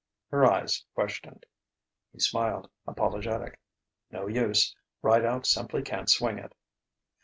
Her eyes questioned. He smiled, apologetic: "No use; Rideout simply can't swing it."